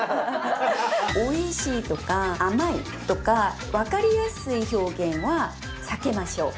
「おいしい」とか「甘い」とか分かりやすい表現は避けましょう。